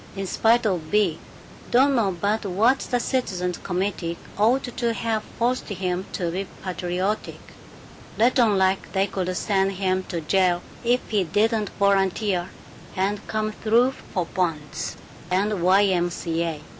In spite of Bea, don't know but what the citizens' committee ought to have forced him to be patriotic let on like they could send him to jail if he didn't volunteer and come through for bonds and the Y. M. C. A.